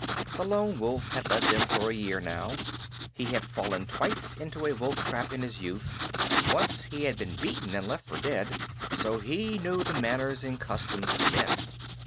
The Lone Wolf had led them for a year now. He had fallen twice into a wolf trap in his youth, and once he had been beaten and left for dead; so he knew the manners and customs of men.